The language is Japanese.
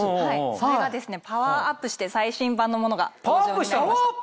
それがですねパワーアップして最新版のものが登場になりました。